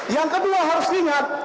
yang kedua harus diingat